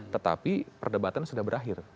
tetapi perdebatan sudah berakhir